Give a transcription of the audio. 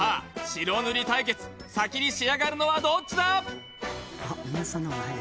白塗り対決先に仕上がるのはどっちだ？